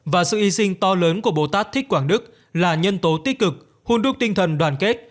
và sự hy sinh to lớn của bồ tát thích quảng đức là nhân tố tích cực hôn đúc tinh thần đoàn kết